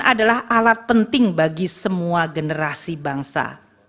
adalah alat penting bagi semua generasi bangsa